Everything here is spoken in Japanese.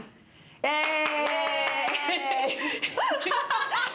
イエーイ！